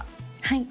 はい。